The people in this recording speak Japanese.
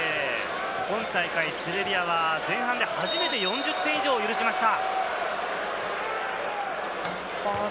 今大会、セルビアは前半で初めて４０点以上を許しました。